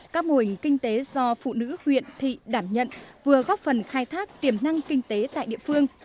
các mô hình kinh tế do phụ nữ huyện thị đảm nhận vừa góp phần khai thác tiềm năng kinh tế tại địa phương